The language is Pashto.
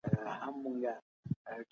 انساني کرامت وساتو.